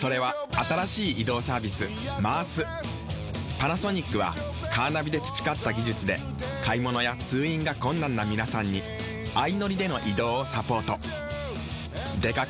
パナソニックはカーナビで培った技術で買物や通院が困難な皆さんに相乗りでの移動をサポート。